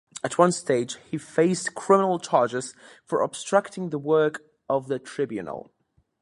At one stage, he faced criminal charges for obstructing the work of the tribunal.